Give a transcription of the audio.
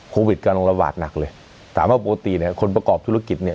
โควิดกำลังระบาดหนักเลยถามว่าปกติเนี่ยคนประกอบธุรกิจเนี่ย